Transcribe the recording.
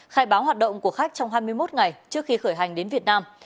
khai báo hoạt động của khách trong hai mươi một ngày trước khi khởi hành đến việt nam